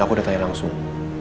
aku udah tanya langsung